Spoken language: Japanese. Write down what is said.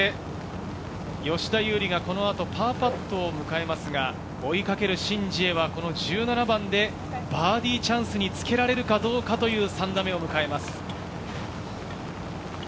そして吉田優利がこの後、パーパットを迎えますが、追いかけるシン・ジエはこの１７番でバーディーチャンスにつけられるかどうかという３打目を迎えます。